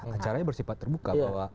ancaranya bersifat terbuka